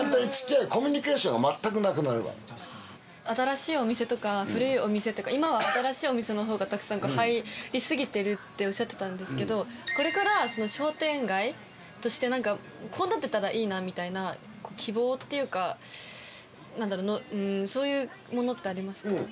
新しいお店とか古いお店とか今は新しいお店の方がたくさん入りすぎてるっておっしゃってたんですけどこれから商店街として何かこうなってたらいいなみたいな希望っていうか何だろそういうものってありますか？